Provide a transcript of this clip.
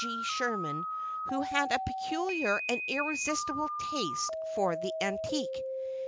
G. Sherman, who had a peculiar and irresistible taste for the antique.